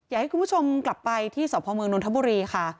อยากให้คุณผู้ชมกลับไปที่สพเมืองนทบุรีค่ะ